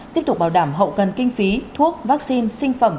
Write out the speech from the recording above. tiếp tục bảo đảm hậu cần kinh phí thuốc vaccine sinh phẩm